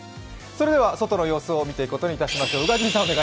それでは外の様子を見ていくことにいたしましょう。